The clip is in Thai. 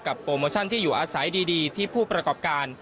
โปรโมชั่นที่อยู่อาศัยดีที่ผู้ประกอบการ